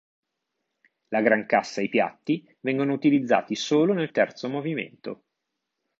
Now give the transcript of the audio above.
La grancassa e i piatti vengono utilizzati solo nel terzo movimento.